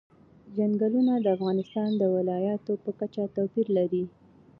چنګلونه د افغانستان د ولایاتو په کچه توپیر لري.